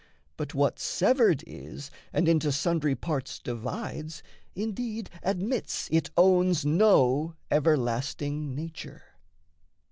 But what severed is And into sundry parts divides, indeed Admits it owns no everlasting nature.